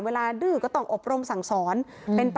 ดื้อก็ต้องอบรมสั่งสอน